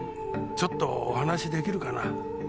ちょっとお話し出来るかな？